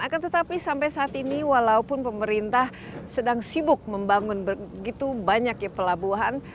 akan tetapi sampai saat ini walaupun pemerintah sedang sibuk membangun begitu banyak ya pelabuhan